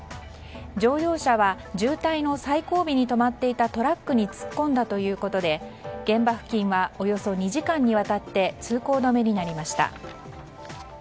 乗用車は渋滞の最後尾に止まっていたトラックに突っ込んだということで現場付近はおよそ２時間にわたって通行止めになりました。